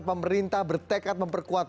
pemerintah bertekad memperkuat